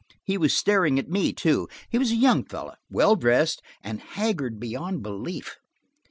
He was staring at me, too. He was a young fellow, well dressed, and haggard beyond belief.